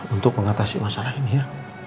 untuk mengatasi masalah ini ya